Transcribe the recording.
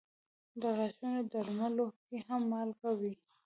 د غاښونو درملو کې هم مالګه وي.